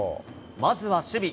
まずは守備。